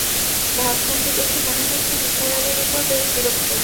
ভাবভঙ্গি দেখে মনে হচ্ছে নিসার আলির উপর বেশ বিরক্ত।